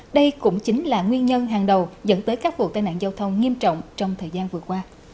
đây cũng chính là nguyên nhân hàng đầu dẫn tới các vụ tai nạn giao thông nghiêm trọng trong thời gian vừa qua